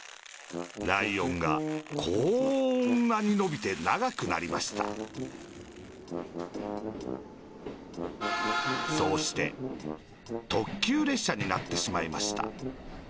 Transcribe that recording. ライオンがこんなにのびてながくなりましたそしてとっきゅうれっしゃになってしまいました。